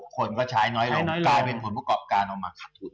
คนก็ใช้น้อยลงกลายเป็นผลประกอบการออกมาขัดทุน